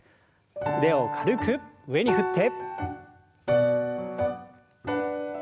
腕を軽く上に振って。